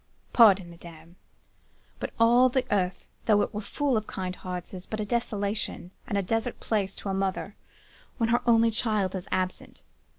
"'Pardon, madame! But all the earth, though it were full of kind hearts, is but a desolation and a desert place to a mother when her only child is absent.